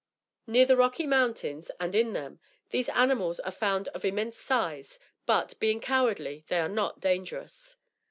Near the Rocky Mountains, and in them, these animals are found of immense size; but, being cowardly, they are not dangerous.